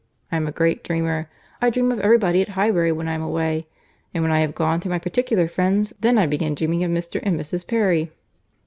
I am a great dreamer. I dream of every body at Highbury when I am away—and when I have gone through my particular friends, then I begin dreaming of Mr. and Mrs. Perry."